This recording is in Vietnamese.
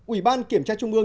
ủy ban kiểm tra trung ương